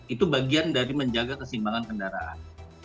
itu bagian dari menjaga kesimbangan kendaraan